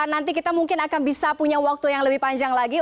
nanti kita mungkin akan bisa punya waktu yang lebih panjang lagi